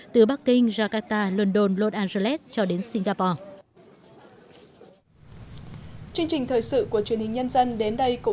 từ bắc kinh jakarta london los angeles cho đến singapore